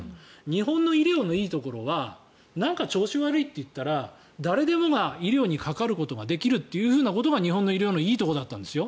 日本の医療のいいところは何か調子が悪いといったら誰でもが医療にかかることができるというのが日本の医療のいいところだったんですよ。